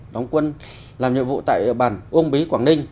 đóng quân làm nhiệm vụ tại địa bàn ông bí quảng ninh